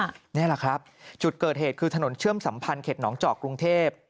นี่แหละครับจุดเกิดเหตุคือถนนเชื่อมสัมพันธ์เข็ดหนองเจาะกรุงเทพ